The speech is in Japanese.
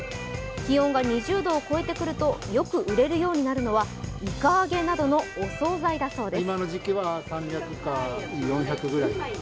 気温が２０度を超えてくるとよく売れるようになるのはいか揚げなどのお総菜だそうです。